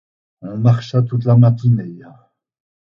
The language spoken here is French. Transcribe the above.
On marcha toute la matinée.